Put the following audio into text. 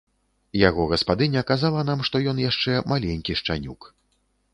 Яго гаспадыня казала нам, што ён яшчэ маленькі шчанюк.